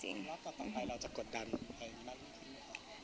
รอบต่อต่อไปเราจะกดดันในแบบนี้หรือเปล่า